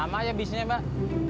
lama aja bisnya mbak